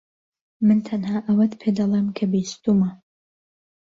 من تەنها ئەوەت پێدەڵێم کە بیستوومە.